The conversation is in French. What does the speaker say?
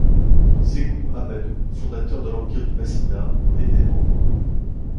Sékou Amadou, fondateur de l'empire du Macina, en était membre.